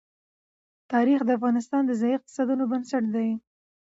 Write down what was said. تاریخ د افغانستان د ځایي اقتصادونو بنسټ دی.